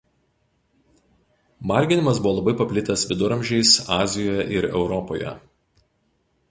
Marginimas buvo labai paplitęs Viduramžiais Azijoje ir Europoje.